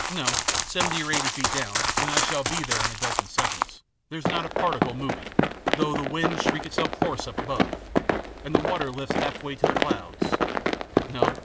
" No. Seventy or eighty feet down, and I shall be there in a dozen seconds, there's not a particle moving, though the wind shriek itself hoarse up above, and the water lifts halfway to the clouds. No.